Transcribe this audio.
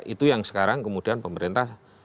itu yang sekarang kemudian pemerintah